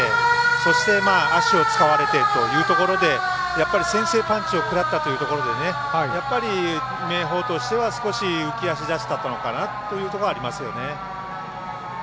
そして、足を使われてというところで先制パンチを食らったというところで明豊としては少し浮き足立ったのかなと思いますね。